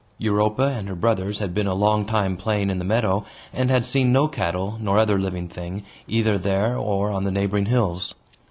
Europa and her brothers had been a long time playing in the meadow, and had seen no cattle, nor other living thing, either there or on the neighboring hills.